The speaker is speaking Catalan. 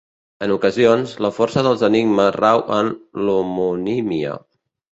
En ocasions, la força dels enigmes rau en l'homonímia.